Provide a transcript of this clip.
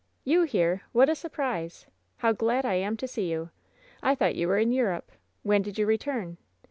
"You here ! What a surprise ! How glad I am to see you ! I thought you were in Europe. When did you re , turn